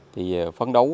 thì phấn đấu